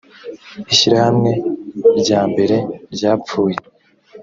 ishyirahamwe ryambere ryapfuye